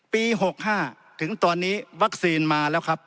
ปี๖๕ถึงตอนนี้วัคซีนมาแล้วครับ